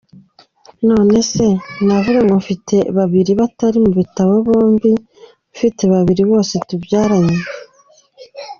Nonese navuga ngo mfite babiri batari mu gitabo bombi mfite babiri bose tubyaranye!”.